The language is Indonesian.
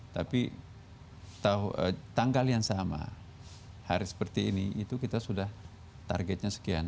tapi tanggal yang sama hari seperti ini itu kita sudah targetnya sekian